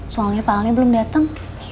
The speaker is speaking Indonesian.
soalnya pak alnya belum dateng